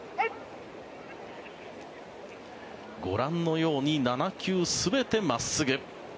ご覧のように７球全て真っすぐ。